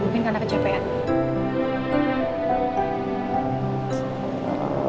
mungkin karena kecewa